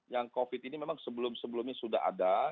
yang covid ini memang sebelum sebelumnya sudah ada